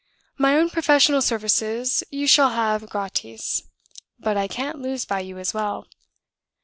My own professional services you shall have gratis; but I can't lose by you as well.